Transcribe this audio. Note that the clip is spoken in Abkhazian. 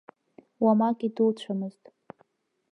Уамак идуцәамызт.